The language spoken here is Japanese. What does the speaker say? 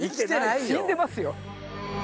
死んでますよ。